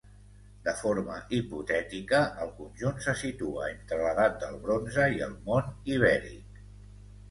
De forma hipotètica, el conjunt se situa entre l'edat del bronze i el món ibèric.